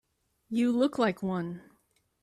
You look like one.